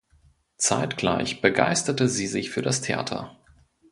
Zeitgleich begeisterte sie sich für das Theater.